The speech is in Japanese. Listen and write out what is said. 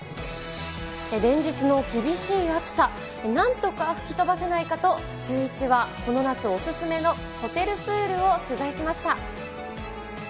連日の厳しい暑さ、なんとか吹き飛ばせないかと、シューイチはこの夏お勧めのホテルプールを取材しました。